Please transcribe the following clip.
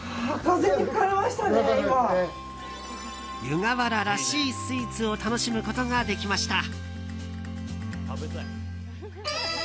湯河原らしいスイーツを楽しむことができました。